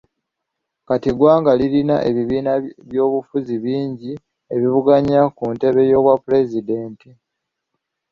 Kati, eggwanga lirina ebibiina by'obufuzi bingi ebivuganya ku ntebe y'obwa pulezidenti.